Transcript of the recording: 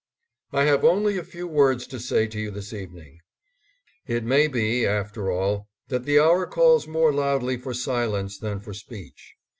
I have only a few words to say to you this evening. ... It may be, after all, that the hour calls more loudly for silence than for speech.